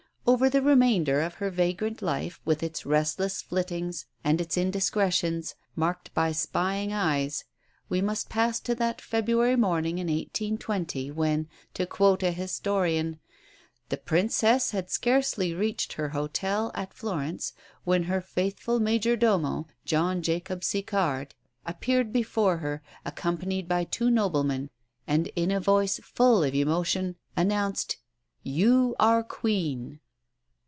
Over the remainder of her vagrant life, with its restless flittings, and its indiscretions, marked by spying eyes, we must pass to that February morning in 1820 when, to quote a historian, "the Princess had scarcely reached her hotel (at Florence) when her faithful major domo, John Jacob Sicard, appeared before her, accompanied by two noblemen, and in a voice full of emotion announced, 'You are Queen.'"